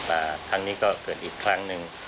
ครั้งนี้ก็เกิดอีกครั้งหนึ่ง